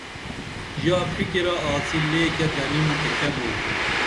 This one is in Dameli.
ژا فِکِرہ آڅی لے کیہ گنِم تے کیہ بو